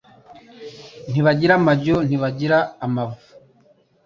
Ntibagira amajyo, ntibagira amavu.